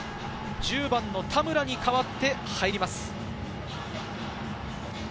１０番の田村に代わって入ります。